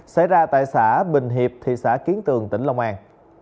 xảy ra tại xã bình hiệp thị xã kiến tường tỉnh long an